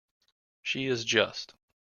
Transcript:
She is just.